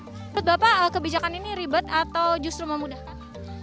menurut bapak kebijakan ini ribet atau justru memudahkan